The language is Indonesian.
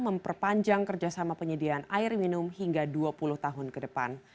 memperpanjang kerjasama penyediaan air minum hingga dua puluh tahun ke depan